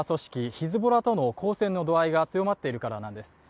ヒズボラとの交戦の度合いが強まっているからなんです。